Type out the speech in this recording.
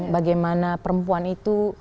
bagaimana perempuan itu